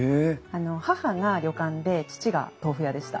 あの母が旅館で父が豆腐屋でした。